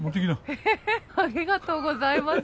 エヘヘッありがとうございます。